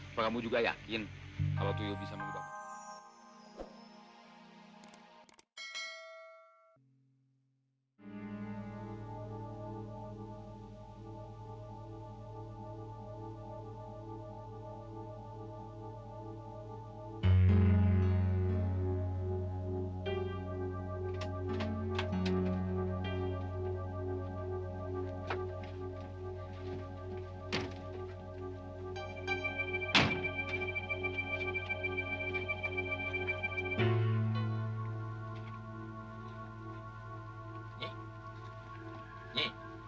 apa kamu juga yakin kalau tuyul bisa mengubah bentuk